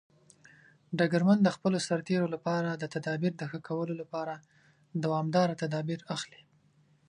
ډګرمن د خپلو سرتیرو لپاره د تدابیر د ښه کولو لپاره دوامداره تدابیر اخلي.